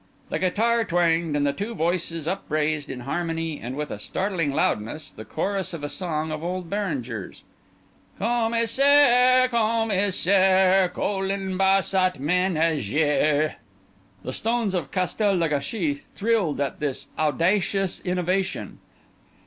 The guitar twanged, and the two voices upraised, in harmony and with a startling loudness, the chorus of a song of old Béranger's:— "Commissaire! Commissaire! Colin bat sa ménagère." The stones of Castel le Gâchis thrilled at this audacious innovation.